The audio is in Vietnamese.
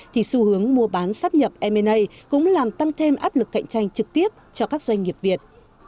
thì xu hướng mua bán sắp nhập m a cũng làm tăng thêm áp lực cạnh tranh trực tiếp cho các doanh nghiệp việt